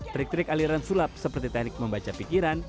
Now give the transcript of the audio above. trik trik aliran sulap seperti teknik membaca pikiran